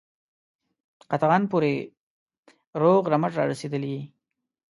قطغن پوري روغ رمټ را رسېدلی یې.